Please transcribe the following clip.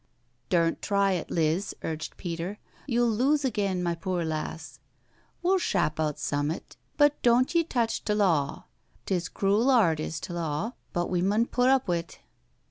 "Dumt try it, Liz," urged Peter. "You'll lose agen, my poor lass. We'll shap out summat, but doant ye touch t'law — 'tis crool 'ard is t'law, but we mun put up wi't."